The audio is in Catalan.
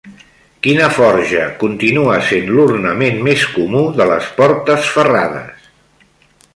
Quina forja continua sent l'ornament més comú de les portes ferrades?